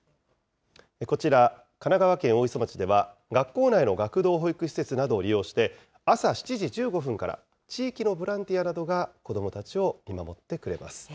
こちら、神奈川県大磯町では、学校内の学童保育施設などを利用して、朝７時１５分から、地域のボランティアなどが子どもたちを見守ってくれます。